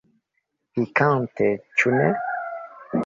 Pikante, ĉu ne?